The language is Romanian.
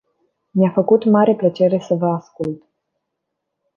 Mi-a făcut mare plăcere să vă ascult!